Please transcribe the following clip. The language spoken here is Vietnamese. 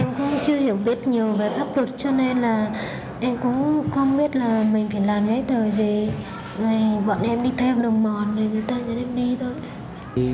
em cũng chưa hiểu biết nhiều về pháp luật cho nên là em cũng không biết là mình phải làm cái thời gì bọn em đi theo đường mòn thì người ta dẫn em đi thôi